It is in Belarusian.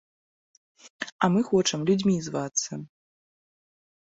А мы хочам людзьмі звацца.